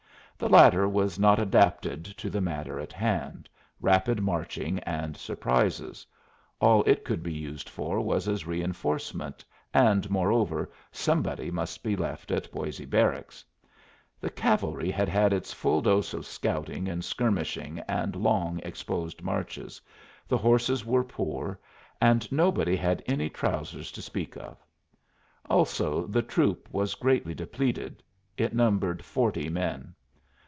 The latter was not adapted to the matter in hand rapid marching and surprises; all it could be used for was as a reinforcement, and, moreover, somebody must be left at Boisé Barracks. The cavalry had had its full dose of scouting and skirmishing and long exposed marches, the horses were poor, and nobody had any trousers to speak of. Also, the troop was greatly depleted; it numbered forty men.